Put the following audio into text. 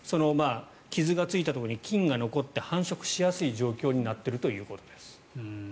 傷がついたところに菌が残って繁殖しやすい状況になっているということです。